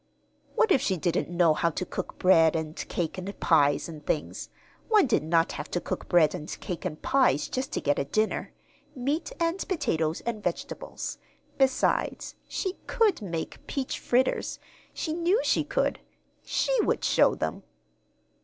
What if she didn't know how to cook bread and cake and pies and things? One did not have to cook bread and cake and pies just to get a dinner meat and potatoes and vegetables! Besides, she could make peach fritters. She knew she could. She would show them!